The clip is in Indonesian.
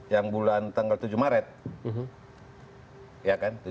yang bulan tanggal tujuh maret